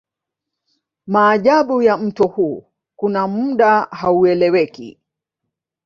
Maajabu ya mto huu kuna muda haueleweki